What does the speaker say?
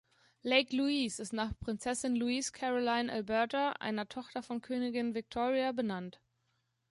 Lake Louise ist nach Prinzessin Louise Caroline Alberta, einer Tochter von Königin Victoria, benannt.